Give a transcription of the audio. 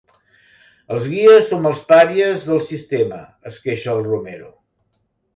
Els guies som els pàries del sistema –es queixa el Romero–.